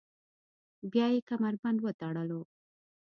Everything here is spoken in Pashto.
بیا یې کمربند وتړلو.